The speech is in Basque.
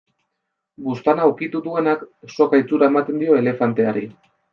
Buztana ukitu duenak, soka itxura ematen dio elefanteari.